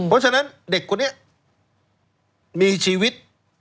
เพราะฉะนั้นเด็กคนนี้มีชีวิต